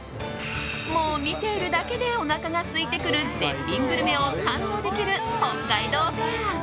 もう、見ているだけでおなかがすいてくる絶品グルメを堪能できる北海道フェア。